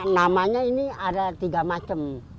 namanya ini ada tiga macam